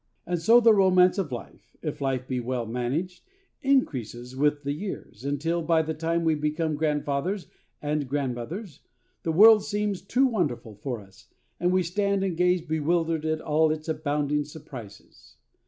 And so the romance of life if life be well managed increases with the years, until, by the time we become grandfathers and grandmothers, the world seems too wonderful for us, and we stand and gaze bewildered at all its abounding surprises.